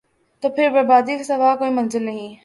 تو پھر بربادی کے سوا کوئی منزل نہیں ۔